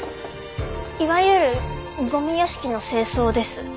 いわゆるゴミ屋敷の清掃です。